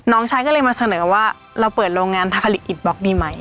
น้องชายก็เลยมาเสนอว่าเราเปิดโรงงานถ้าผลิตอิตบล็อกดีไหม